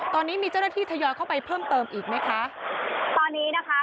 ตอนนี้มีเจ้าหน้าที่ทยอยเข้าไปเพิ่มเติมอีกไหมคะตอนนี้นะคะ